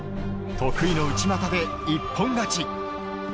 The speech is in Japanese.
得意の内股で一本勝ち。